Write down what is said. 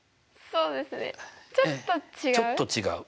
そうですねちょっと違う？